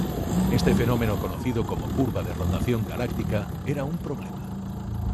Este fenómeno conocido como curva de rotación galáctica era un problema.